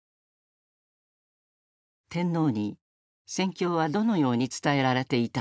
天皇に戦況はどのように伝えられていたのか。